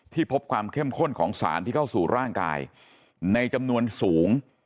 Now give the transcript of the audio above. พบความเข้มข้นของสารที่เข้าสู่ร่างกายในจำนวนสูง